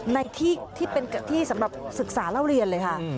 ในที่เป็นที่สำหรับศึกษาเล่าเรียนเลยค่ะ